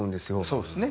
そうですね。